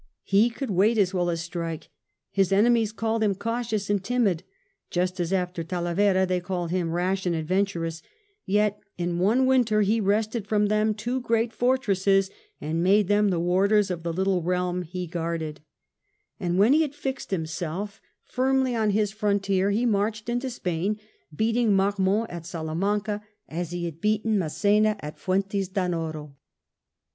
He could wait as well as strike. His enemies called him cautious and timid, just as after Talavera they called him rash and adventurous ; yet in one winter he wrested from them two great fortresses, and made them the warders of the little realm he guarded ; and when he had fixed himself U^ IVRLLISGTOy txuAy on \m frontkr, be mardbed into %Mun, beating Hhnofmi sti faJamanea, as be bad beaten Mawfaa at YnmU» d^Onoro.